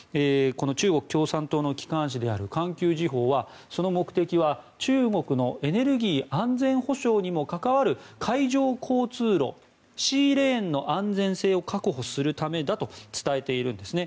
中国共産党の機関紙である環球時報はその目的は中国のエネルギー安全保障にも関わる海上交通路・シーレーンの安全性を確保するためだと伝えているんですね。